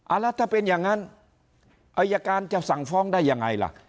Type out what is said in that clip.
แล้วถ้าเป็นอย่างนั้นอายการจะสั่งฟ้องได้ยังไงล่ะ